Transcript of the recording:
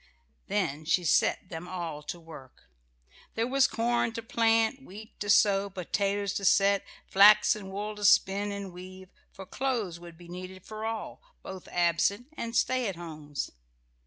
Then she set them all to work. There was corn to plant, wheat to sow, potatoes to set; flax and wool to spin and weave, for clothes would be needed for all, both absent and stay at homes.